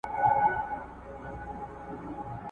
له ناکامه هري خواته تاوېدلم !.